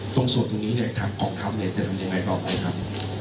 ตรงส่วนตรงนี้เนี่ยทางกองทัพเนี่ยจะทำยังไงต่อไปครับ